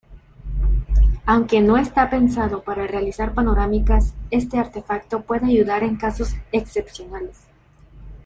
Aunque no está pensado para realizar panorámicas, este artefacto puede ayudar en casos excepcionales.